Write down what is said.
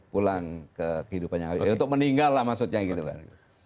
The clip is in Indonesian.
pulang kehidupan yang lebih abadi untuk meninggal lah maksudnya gitu kan